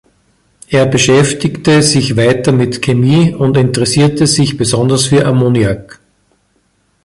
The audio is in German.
Er beschäftigte sich weiter mit Chemie und interessierte sich besonders für Ammoniak.